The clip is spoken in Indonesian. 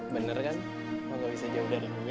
bener kan kalau gak usah jauh dari gue